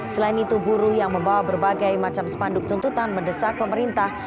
selain itu buruh yang membawa berbagai macam spanduk tuntutan mendesak pemerintah